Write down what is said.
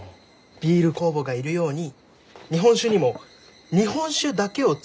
ビール酵母がいるように日本酒にも日本酒だけを造る清酒酵母がいるのか。